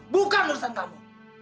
bukan urusan kamu